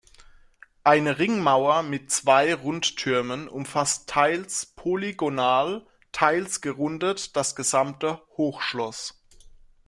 Eine Ringmauer mit zwei Rundtürmen umfasst teils polygonal, teils gerundet das gesamte Hochschloss.